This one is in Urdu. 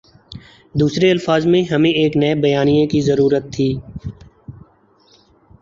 دوسرے الفاظ میں ہمیں ایک نئے بیانیے کی ضرورت تھی۔